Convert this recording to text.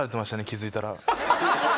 気付いたら。